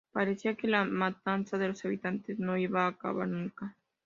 Parecía que la matanza de los habitantes no iba a acabar nunca.